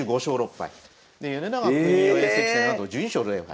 ええ！で米長邦雄永世棋聖なんと１２勝０敗。